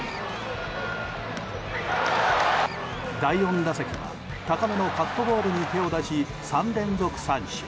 第４打席は高めのカットボールに手を出し３連続三振。